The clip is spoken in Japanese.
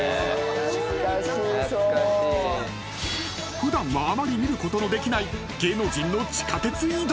［普段はあまり見ることのできない芸能人の地下鉄移動。